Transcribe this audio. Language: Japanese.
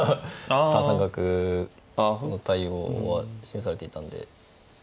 ３三角の対応は示されていたんで。